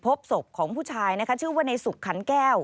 พบศพของผู้ชายนะคะชื่อว่าในสุขขันแก้ว